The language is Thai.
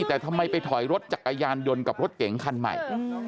แต่ทำไมไปถอยรถจักรยานยนต์กับรถเก๋งคันใหม่